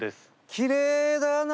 きれいだな。